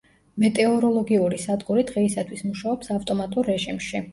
მეტეოროლოგიური სადგური დღეისათვის მუშაობს ავტომატურ რეჟიმში.